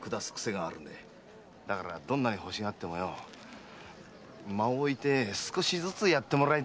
だからどんなに欲しがっても間をおいて少しずつやってくれ。